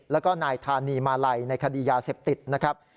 แล้วก็นายธานีมาลัยในคดียาเสพติดนะครับ